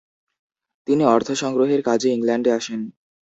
তিনি অর্থসংগ্রহের কাজে ইংল্যান্ডে আসেন।